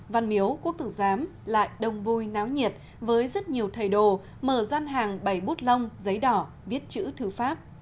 văn miếu quốc tử giám lại đông vui náo nhiệt với rất nhiều thầy đồ mở gian hàng bày bút lông giấy đỏ viết chữ thư pháp